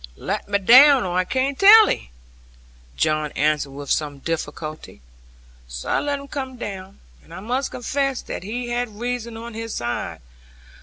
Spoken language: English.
'Latt me dowun, or I can't tell 'e,' John answered with some difficulty. So I let him come down, and I must confess that he had reason on his side.